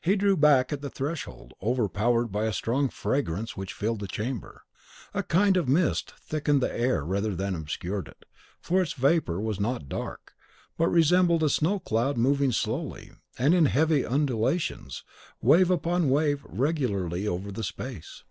He drew back at the threshold, overpowered by a strong fragrance which filled the chamber: a kind of mist thickened the air rather than obscured it, for this vapour was not dark, but resembled a snow cloud moving slowly, and in heavy undulations, wave upon wave regularly over the space.